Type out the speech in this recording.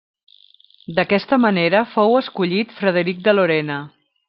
D'aquesta manera fou escollit Frederic de Lorena.